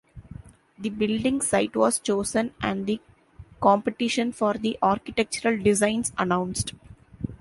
The building site was chosen and the competition for the architectural designs announced.